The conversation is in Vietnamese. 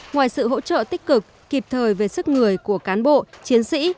ngoài sự hỗ trợ tích cực kịp thời về sức người của cán bộ chiến sĩ